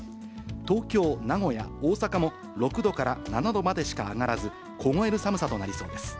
東京、名古屋、大阪も、６度から７度までしか上がらず、凍える寒さとなりそうです。